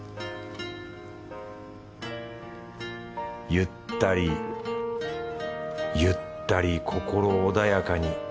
ゆったりゆったり心穏やかに。